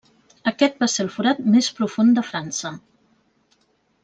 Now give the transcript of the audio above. Aquest va ser el forat més profund de França.